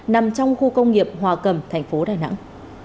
nằm trong khu công nghiệp hòa cầm thành phố đà nẵng